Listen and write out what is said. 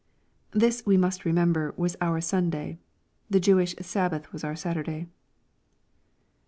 ] This, we must remember, was our Sunday. The Jewish Sabbath was our Saturday.